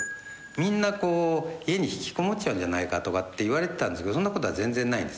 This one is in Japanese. みんな家に引きこもっちゃうんじゃないかとか言われてたんですけどそんなことは全然ないです。